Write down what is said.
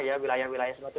ya wilayah wilayah semuanya